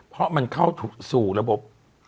เพราะมันเข้าสู่ระบบ